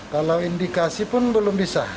kalau indikasi pun belum bisa